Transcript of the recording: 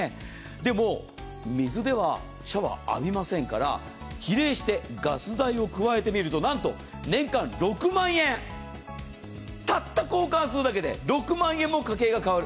でも、水ではシャワー浴びませんから、比例してガス代を加えてみるとなんと年間６万円、たった交換するだけで６万円も家計が変わる。